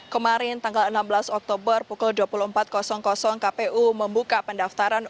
kemarin tanggal enam belas oktober pukul dua puluh empat kpu membuka pendaftaran